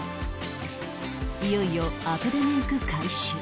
いよいよアプデメイク開始